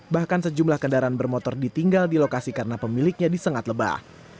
bahkan sejumlah kendaraan bermotor ditinggal di lokasi karena pemiliknya disengat lebah